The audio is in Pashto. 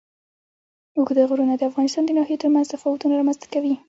اوږده غرونه د افغانستان د ناحیو ترمنځ تفاوتونه رامنځ ته کوي.